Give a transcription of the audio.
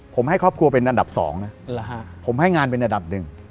ผมให้ครอบครัวเป็นอันดับ๒นะผมให้งานเป็นอันดับหนึ่ง